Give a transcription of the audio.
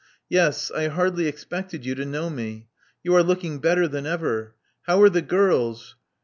Yes. I hardly expected you to know me. You are looking better than ever. How are the girls?"